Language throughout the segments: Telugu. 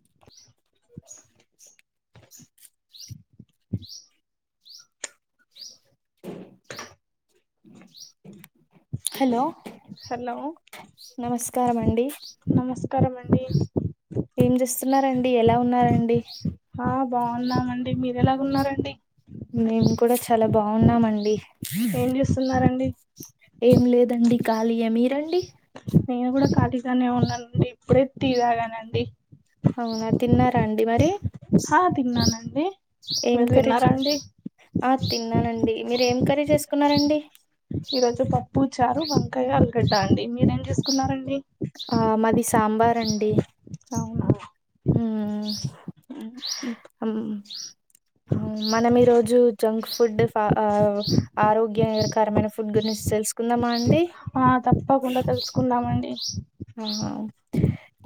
[inaudible] [inaudible] హలో హలో నమస్కారామండి నమస్కారమండి ఏం చేస్తున్నారండి ఎలా ఉన్నారండి ఆ బాగున్నామండి మీరు ఎలాగ ఉన్నారండి మేము కూడా చాలా బాగున్నామండి ఏం చేస్తున్నారండి ఏం లేదండి ఖళియే మీరండి నేను కూడా ఖాళీగానే ఉన్నానండి ఇప్పుడే తీరాగానండి అవునా తిన్నారా అండి మరి ఆ తిన్నానండి ఏం మీరు కరీజ తిన్నారా అండి ఆ తిన్నానండి మీర ఏం కరీ చేసుకున్నారండి ఈరోజు పప్పు చారు వంకాయ అలగడ్డ అండి మీరేం చేసుకున్నారండి ఆ మాది సాంబార్ అండి అవున హ మనం ఈ రోజు జంక్ ఫుడ్ ఆరోగ్యకరమైన ఫుడ్ గురించి మెస్ తెలుసుకుందామా అండి ఆ తప్పకుండా తెలుసుకుందామండి ఆ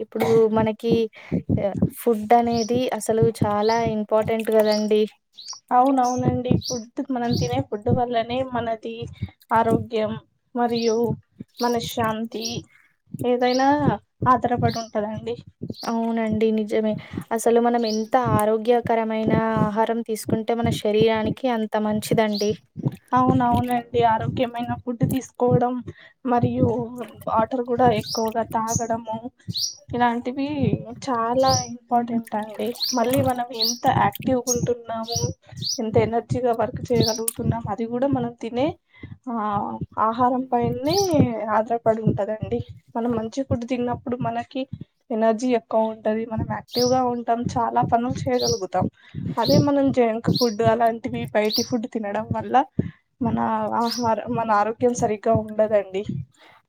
ఇప్పుడు మనకి ఫుడ్ అనేది అసలు చాలా ఇంపార్టెంట్ కదండి అవున అవునండి ఫుడ్ మనం తినే ఫుడ్ వల్లనే మనది ఆరోగ్యం మరియు మనశ్శాంతి ఏదైనా ఆధారపడి ఉంటందండి ఆరోగ్య కరమైన ఆహారం తీసుకుంటే మన శరీరానికి అంత మంచిదండి అవునవునండి ఆరోగ్యమైన ఫుడ్ తీసుకోవడం మరియు వాటర్ కూడా ఎక్కువగా తాగడము ఇలాంటివి చాలా ఇంపార్టెంట్ తంటా అండి మళ్ళీ మనం ఆక్టివ్ ఉంటున్నాము ఎంత ఎనర్జీగా వర్క్ చేయగలుగుతున్నా అది కూడా మనం తినే ఆ ఆహారం పని ఆదర పడి ఉంటదండి మనం మంచి ఫుడు తిన్నప్పుడు మనకి ఎనర్జీ ఎక్కువ ఉంటంది మనం యాక్టివ్ గా ఉంటాం చాలా పనులు చేయగలుగు తం అదే మనం జంక్ ఫుడ్ అలాంటివి బయటి ఫుడ్ తినడం వల్ల మన ఆహార మన ఆరోగ్యం సరిగ్గా ఉండదండి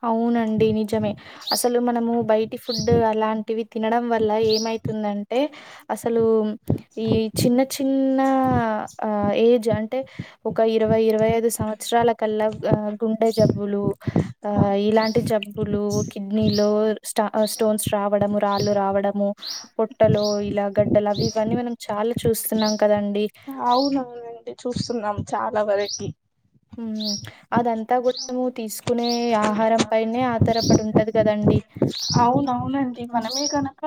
అవునండి నిజమే అసలు మనము బయటి ఫుడ్ అలాంటివి తినడం వల్ల ఏమైతుందంటే అసలు ఈ చిన్న చిన్న ఆ ఏజ్ అంటే ఒక ఇరవై ఇరవై ఐదు సంవత్సరాల కల్లా గుండె జబ్బులు ఆ ఇలాంటి జబ్బులు కిడ్నీలో స్టా స్టోన్స్ రావడము రాళ్ళు రావడము పొట్టలు ఇలా గడ్డలు అవి ఇవన్నీ మనం చాలా చూస్తున్నాం కదండి అవునవునండి చూస్తున్నాం చాలా వ వేరటి ఉ అదంతా కొంచము తీసుకు కునే ఆహారం పైనే ఆధారపడి ఉంటది కదండి అవున అవునండి మనమే గనక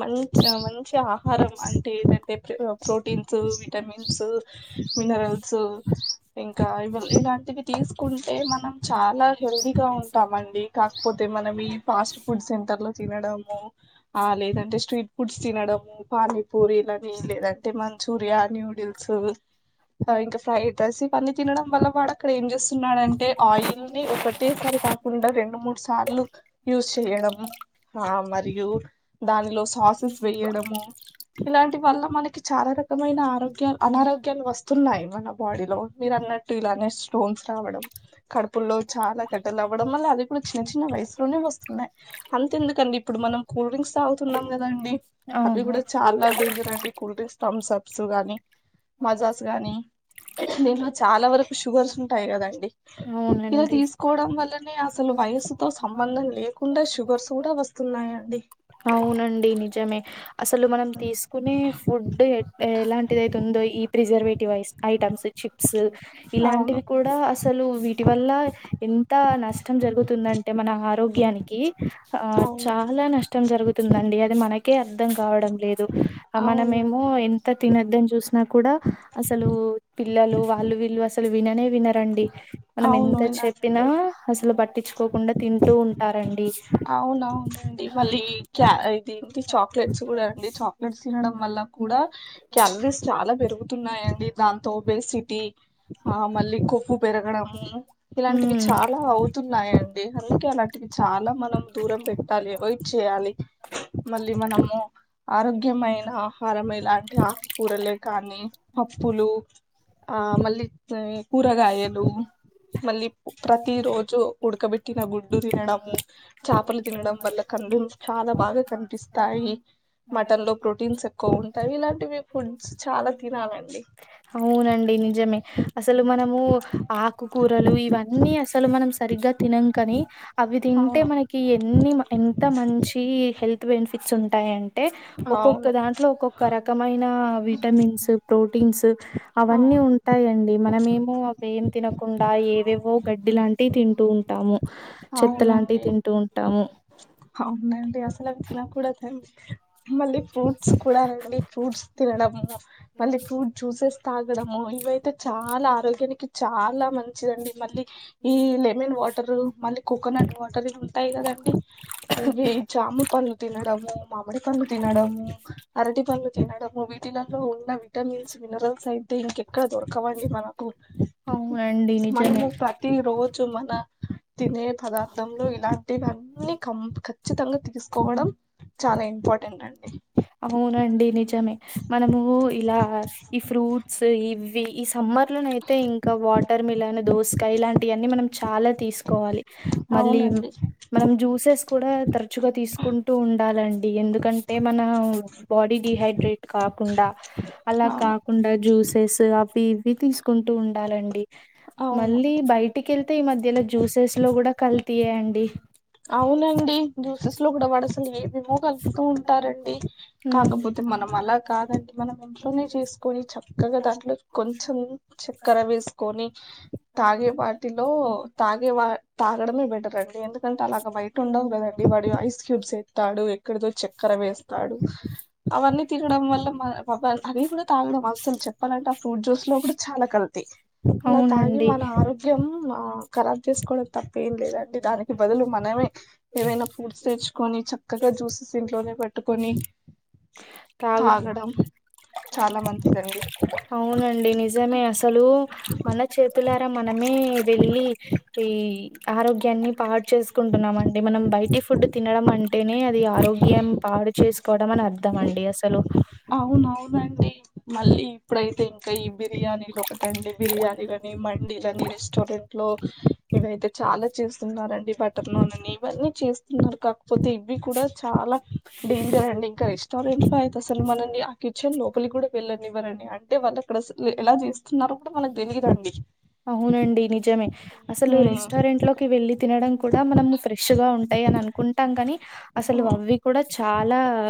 మంచి మంచి ఆహారం అంటే ఏదంటే ప్రోటీన్స్ విటమిన్స్ మినరల్స్ ఇంకా ఇలాంటివి తీసుకుంటే మనం చాలా హెల్దీగా ఉంటామండి కాకపోతే మనం ఈ ఫాస్ట్ ఫుడ్ సెంటర్ లో తినడము ఆ లేదంటే స్ట్రీట్ ఫుడ్స్ తనడము పూరీలని లేదంటే మంచూరియా న్యూడిల్స్ ఇంకా ఫ్రైడ్ రైస్ పని తినడం వల్ల వాడు అక్కడ ఏం చేస్తున్నాడంటే ఆయిల్ ని ఒకటేసారి కాకుండా రెండు మూడు స వాళ్ళు యూస్ చేయడం మరి మరియు దానిలో సాసెస్ వేయడము ఇలాంటి వల్ల మనకి చాలా రకమైన ఆరోగ్యాలు అనారోగ్యాలు వస్తున్నాయి మనం బాడీ లో మీరు అన్నట్టు ఇలానే స్టోన్స్ రావడం కడుపుల్లో చాలా గట్టలు అవ్వడం మళ్ళ అది కూడా చిన్న చిన్న వయసులోనే వస్తున్నాయి అంత ఎందుకండి ఇప్పుడు మనం కూల్ డ్రింక్స్ తాగుతున్నాం కదండి అవి ఆహా కూడా చాలా డేంజర్ అండి కూల్డ్రింగ్స్ స్థమ్స్ అప్స్ గానీ మజాస్ గాని దీంలో చాలా వరకు షుగర్స్ ఉంటాయి కదండి ఇలా అవునండి తీసుకోవడం వల్లనే అసలు వయసుతో సంబంధం లేకుండా షుగర్స్ కూడా వస్తున్నాయండి అవునండి నిజమే అసలు మనం తీసుకునే ఫుడ్ ఎలాంటిది అైతుందో ఈ ప్రిజర్వేటివ్ఐ ఐటమ్స్ చిప్స్ అవును ఇలాంటివి కూడా అసలు వీటి వల్ల ఎంత నష్టం జరుగుతుందంటే మన ఆరోగ్యానికి కి ఆ అవును చాలా నష్టం జరుగుతుందండి అది మనకి అర్థం కావడం లేదు ఆ మనమేమో అవునండి ఎంత తినొద్దని చూసిన కూడా అసలు పిల్లలు వాళ్ళు వీళ్ళు అసలు విననే వినరండి మనం అవును ఎంత చెప్పినా విన్నానండి అసలు పట్టించుకోకుండా తింటూ ఉంటారండి అవునవునండి మళ్ళీ ఇది ఏంటి చాక్లెట్స్ కూడా అండి చాక్లెట్స్ తినడం వల్ల కూడా క్యాలరీస్ చాలా పెరుగు చతున్నాయండి దాంతోబేసిటీ మళ్ళ ఉప్పు పెరగడము ఇలాంటివి హ్మ్ చాలా అవుతున్నాయిండి అందుకే అలాంటివి చాలా మనం దూరం పెట్టాలి అవయిట్ చేయాలి మళ్ళీ మనము ఆరోగ్యమైన ఆహారం ఇలాంటి ఆకుకూరలే కానీ పప్పులు ఆ మళ్ళీ కూరగాయలు మళ్ళీ ప్రతి రోజు ఉడకబెట్టిన గుడ్డు తినడము చేపలు తినడం వల్ల కన్ను చాలా బాగా కనిపిస్తాయి మటన్ లో ప్రోటీన్స్ ఎక్కువ ఉంటాయి ఇలాంటివి ఫుడ్స్ చాలా తినాలండి అవునండి నిజమే అసలు మనం ఆకుకూరలు ఇవన్నీ అసలు మనం సరిగ్గా తినం కాని అవి తింటే అవును మనకి ఎన్ని అన్ని ఎంత మంచి హెల్త్ బెనిఫిట్స్ ఉంటాయిండి అవును ఒకొక్కదంట్లో ఒక్కొక్క రకమైన విటమిన్స్ ప్రోటీన్స్ అవి ఆ అన్ని టె ఉంటాయిండి మనమేమో అవి ఏం తినకుండా ఏవేవో గడ్డి లాంటివి తింటూ ఉంటాము చెత్త లాంటివి అవునండి తింటూ ఉంటాము నండి అసలు చి నాక్ కూడా మళ్ళీ ఫ్రూట్స్ కూడా రండి ఫ్రూట్స్ తినడము మళ్ళీ ఫ్రూట్ జ్యూసెస్ తాగడము అయితే చాలా ఆరోగ్యానికి చాలా మంచిదండి మళ్ళీ ఈ లెమన్ వాటర్ మళ్ళీ కోకోనట్ వాటరవి ఉంటాయి కదండి అవి జామ పండ్లు తినడము మామిడి పండ్లు తినడము అరటి పండ్లు తినడము నే తినలో ఉన్న విటమిన్స్ మినరల్స్ అయి తే ఇంకెక్కడ దొరకవండి మనకు అవునండి నిజమే. మనము ప్రతి రోజు చు మన తినే పదార్థంలో ఇలాంటివన్నీ కం ఖచ్చితంగ తీసుకోవడం చాలా ఇంపార్టెంట్ అండి అవునండి నిజమే మనము ఇలా ఈ ఫ్రూట్స్ ఇవి ఈ సమ్మర్లోనయితే ఇంకా వాటర్ మిలన్ దోసకాయ ఇలాంటియన్నీ మనం చాలా తీస్ కోవాలి మళ్ళీ అవునండి మనం జ్యూసెస్ కూడా తరచుగా తీసుకుంటూ ఉండాలం ఎందుకంటే మన బాడీ డిహైడ్రేట్ కాకుండా అలా అవును కాకుండా జూ సేస్స్ అవి ఇవి తీస్ టూ ఉండాలండి అవును మళ్ళ బయటికి వెళ్తే ఈ మధ్యలో జ్యూసెస్లో కూడా కల్తీయేండి అవునండి జ్యూసెస్ లో కూడా వాడు అసలు ఏమేమో కలుపుతూ ఉంటారండి హ్మ్. కాకపోతే మనం అలా కాదండి మనం ఇంట్లోనే చేసుకొని చక్కగా దాంట్లో కొంచం చక్కెర వేస్ తీసుకొని తాగే వాటిలో తాగేవా తాగడమే బెటర్ అండి ఎందు ఎంటే అలాగ బయట ఉండవు కదండి వాడు ఐస్ క్యూబ్స్ ఎస్తాడు ఎక్కడిదో చక్కెర వేస్తాడు అవన్నీ తినడం వల్ల మా అవి కూడా తాగడం అస్సలు చెప్పాలంటే ఆ ఫ్రూట్ జ్యూస్ లో కూడా చాలా కల్తీ అలా తాగి అవునండి. మన ఆరోగ్యం ఆ ఖరాబ్ చేసుకోడం తప్ప ఏం లేదండి దాని బదులు మనమే ఏమైనా ఫ్రూట్స్ తెచ్చుకొని చక్కగా జ్యూసెస్ ఇంట్లోనే పెట్టుకొని తాగు తాగడం చాలా మంచిదండి అవునండి నిజమే అసలు మన చేతులారా మనమే వెళ్ళి ఈ ఆరోగ్యాన్ని పాడు చేసుకుంటున్నాం అండి మనం బయటి ఫుడ్ తినడం అంటేనే అది ఆరోగ్యం పా అది చేసుకోవడం అని అర్థం అండి అసలు అవునండి మళ్ళీ ఇప్పుడైతే ఇంకా ఈ బిర్యానీలు ఒకటండి బిర్యానీలని మండీలని రెస్టారెంట్ లో ఇవయితే చాలా చూస్తున్నారండి బటర్లో నన్ ఇవన్నీ చేస్తున్నారు కాకపోతే ఇవి కూడా చాలా డేంజర్ అండ్ ఇంకా రెస్టారెంట్లో అయి అసలు మనల్ని ఆ కిచెన్ లోపలికి కూడా వెళ్లనివ్వరండి అంటే వాళ్ళు అక్కడ ఎలా చేస్ అవునండి నిజమే అసలు హ్మ్ రెస్టారెంట్ల క వెళ్ళి తినడం కూడా మనం ఫ్రెష్ గా ఉంటాయి అని అనుకుంటాం కానీ అసలు అవి కూడా చాలా ఆ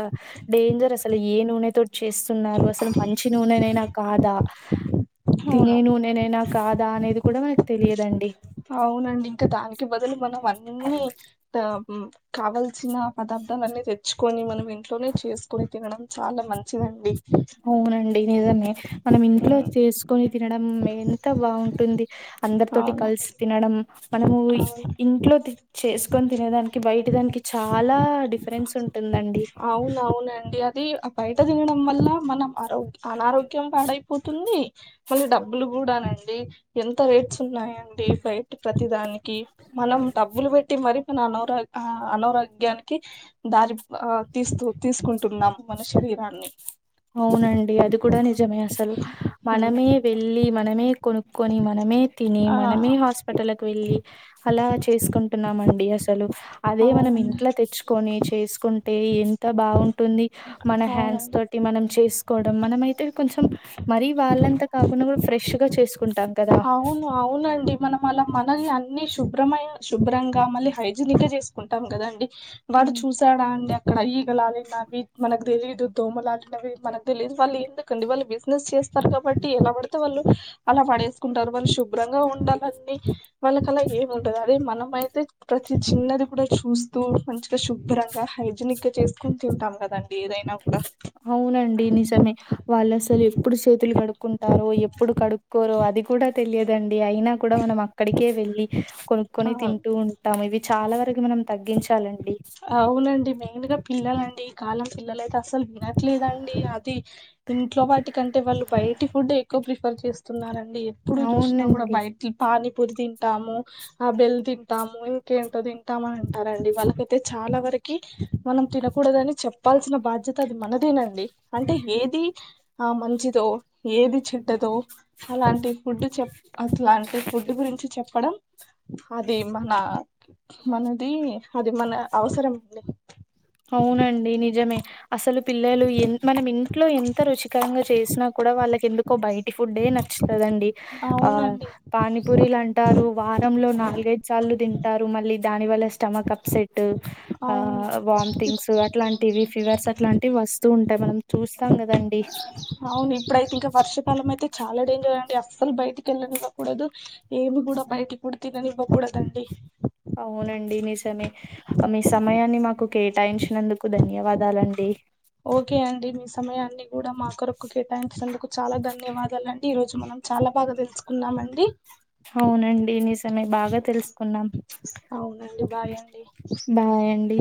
డేంజర్ అసలు ఏను నతోటి చేస్తున్నారు అసలు మంచి నూననైనా కాదా అవును తినేను నేనైనా కాదా అనేది కూడా మనకు తెలియదండి ఇన్ని అ కావల్సిన పదార్థాల అన్ని తెచ్చుకొని మనమే ఇంట్లోనే చేసుకోని తినడం చాలా మంచిదండి అవునండి నిజమే మనం ఇంట్లో ఉమ్, చేసుకొని తినడం ఎంత బాగుంటుంది అందరితోటి అవును కలిసి తినడం మనము అవును ఇంట్లో చేసుకొని తినేదానికి బయటిదానికి అవున అవునండి అది ఆ బయట తినడం వల్ల మనం ఆరోగ్య అనారోగ్యం పాడైపోతుంది మళ్ళీ డబ్బులు కూడా నండి ఎంత రేట్స్ ఉన్నాయి అండి బయట ప్రతిదానికి మనం డబ్బులు పెట్టి మరీ మన ఆనారోగ్య ఆ అనారోగ్యానికి దారి ఆ తీస్తు తీసుకుంటున్నాం మన శరీరాన్ని అవునండి అది కూడా నిజమే అసలు ఉమ్. మనమే వెళ్ళి మనమే కొనుక్కొని మనమే తిని ఆ మనమే హాస్పిటల్ కి వెళ్ళి అలా చేసుకుంటున్నాండి అసలు అదే మన అవును ఇంట్లో తెచ్చుకొని చేసుకుంటే ఎంత బాగుంటుంది మన హ్యాండ్స్ అవునండి తో టి మనం చేసుకోవడం మనం అయితే కొంచెం మరీ వాళ్ళంతా కాకుండా కూడా ఫ్రెష్ గా చేసుకుంటాం కదా ఆ అవును అవునండి మనం అలా మన అన్ని శుభ్రమైన శుభ్రంగా ఇక మళ్ళీ హైజీనిక్ గా చేసుకుంటాం కదండి వాళ్ళు హ్మ్. చూసాడా అండి అక్కడ ఈగ లాలినవి మనకు తెలీదు దోమ లాలినవి మనకు తెలిదు వాళ్ళు ఎందుకండి వాళ్ళు బిజినెస్ చేస్తారు కాబట్టి ఎలా పడితే వాళ్ళు అలా పడేసుకుంటారు వాళ్ళు శు భ్రంగా ఉండాలీ వాళ్ళకు అలా ఏమింటది అదే మనం అయితే ప్రతి చిన్నది కూడా చూస్తూ మంచిగా శుభ్రంగా హైజీనిక్ గా చేసుకొని తింటాం కదండి నబ్బా అవునండి నిజమే వాళ్ళు అసలు ఎప్పుడు చేతులు కడుక్కుంటారో ఎప్పుడు కడుక్కోరో అది కూడా తెలియదండి ఇవి అయినా కూడా మనం అక్కడికే వెళ్ళి కొనుక్కొని అవును తింటూ ఉంటాము ఇవి చాలా వరకు మనం తగ్గించు కోవాలండి అండి మెయిన్ గా తిన్నాలి అండి కాని మన పిల్లలు అయితే అసలు వినట్లేదండి అది ఇంట్లో వాటి కంటే వాళ్ళు బయటి ఫుడ్ ఎక్కువ ప్రిఫర్ చేస్తున్న రండి ఎప్పుడు చూసినా కూడా అవునండి. బయట పానీ పూరి తింటాము ఆ బెల్ తింటాము కేం తో తింటామని అంటారండి వాళ్ళకైతే చాలా వరకి మనం తినకూడద అని చెప్పాల్సిన బాధ్యత చూస్తే అది మనదేనండి అంటే ఏది ఆ మంచిదో ఏది చెడ్డదో అలాంటి ఫుడ్ చెప్ అట్లాంటి ఫుడ్ గురించి చెప్పడం అది మన మనది అది మన అవసరంలో అవునండి నిజమే అసలు పిల్లలు ఎం మనం ఇంట్లో ఎంత రుచికరంగా చేసినా కూడా వాళ్ళకి ఎందుకో బయటి ఫుడ్ ఎ నచ్చుతది అండి ఆ అవునండి పానీపూరిలు అంటారు వారంలో నాలుగైదు సార్లు తింటారు మళ్ళీ దాని వల్ల స్టమక్ అప్సెటు ఆ అవును వాళ్ళ థింగ్స్ అట్లాంటివి ఫీవర్స్ అట్లాంటివి వస్తూ ఉంటాయి మనం చూస్తాం కదండీ అవును ఇప్పుడైతే ఇంకా వర్షకాలమే చాలా డేంజర్ అండి అస్సలు బయటికి వెళ్ళనివ్వకూడదు ఏమి కూడా బయటి పుడ్ తినని ఇవ్వ కూడాదు అండి డి నిజమే మీ సమయాన్ని మాకు కేటాయించి నందుకు ధన్యవాదాలండి ఓకే అండి మీ మీ కూడా మా కొరొకు కేటాయించినందుకు చాలా ధన్య ధన్యవాదాలు అండి ఈ రోజు మనం చాలా బాగా తెలుసుకున్నాము అండి అవునండి నిజమే బాగా తెలుసుకున్నాం అవునండి బాయ్ అండి బాయ్ అండి